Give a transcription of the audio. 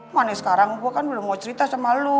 mana sekarang gue kan belum mau cerita sama lo